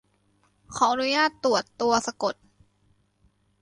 ขออนุญาตตรวจตัวสะกด